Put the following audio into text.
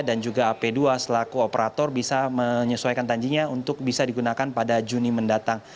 dan juga ap dua selaku operator bisa menyesuaikan tanjinya untuk bisa digunakan pada juni mendatang